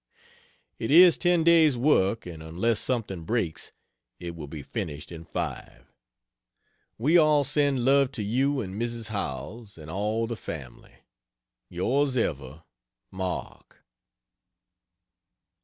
It is ten days work, and unless something breaks, it will be finished in five. We all send love to you and Mrs. Howells, and all the family. Yours as ever, MARK.